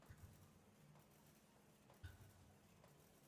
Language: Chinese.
现在曼尼古根湖是加拿大东部一个重要的发电场所。